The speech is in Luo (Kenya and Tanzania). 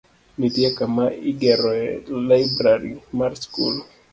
Nitie kama igeroe laibrari mar skul.